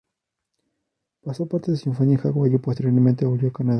Pasó parte de su infancia en Hawái y posteriormente volvió a Canadá.